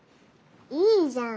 いいじゃん。